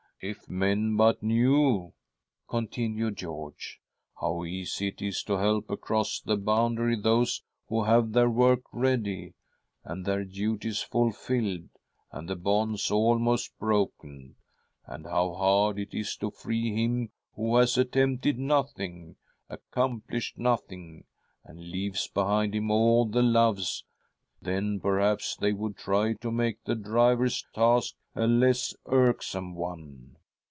If men but knew," continued George, " how easy it is to help across the boundary those who have their work ready, and their duties fulfilled, and the bonds almost broken, and how hard it is to free him who has attempted nothing, accom plished nothing,, and leaves behind him all he loves, then perhaps they would try to make the driver's task a less irksome one."